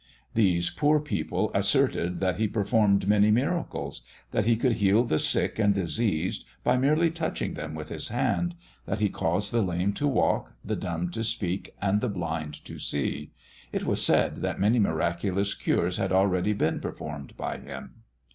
These poor people asserted that He performed many miracles; that He could heal the sick and diseased by merely touching them with His hand; that He caused the lame to walk, the dumb to speak, and the blind to see. It was said that many miraculous cures had already been performed by Him.